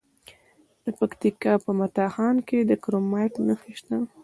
د پکتیکا په متا خان کې د کرومایټ نښې شته.